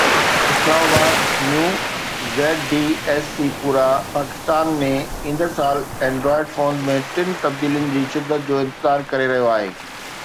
اسلام آبادNew ZDSCpura پاڪستان ايندڙ سال اينڊرائيڊ فونز ۾ ٽن تبديلين جو شدت سان انتظار ڪري رهيو آهي